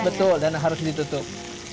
betul dan harus ditutup